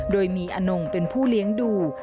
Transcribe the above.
โดยมีอนงเป็นผู้เลี้ยงดู